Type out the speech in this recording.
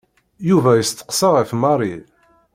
Yuba yesteqsa ɣef Mary.